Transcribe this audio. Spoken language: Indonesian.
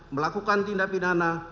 melakukan tindak pidana